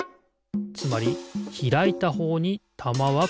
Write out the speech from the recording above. つまりひらいたほうにたまはころがる。